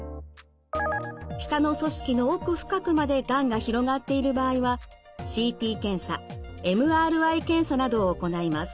舌の組織の奥深くまでがんが広がっている場合はＣＴ検査ＭＲＩ検査などを行います。